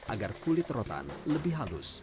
agar kulit rotan lebih halus